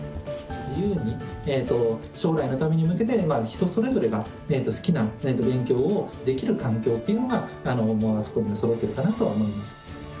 自由に、将来のために向けて、人それぞれが好きな勉強をできる環境っていうのが、あそこにはそろっているかなと思います。